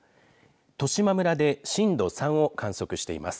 十島村で震度３を観測しています。